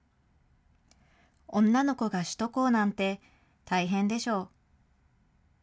女の子が首都高なんて大変でしょう。